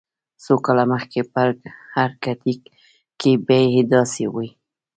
څو کاله مخکې په ارکټیک کې بیې داسې وې